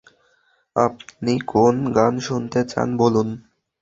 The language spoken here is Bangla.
আপনি কোন গান শুনতে চান বলুন?